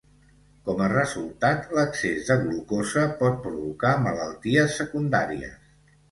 Com a resultat, l'excés de glucosa pot provocar malalties secundàries.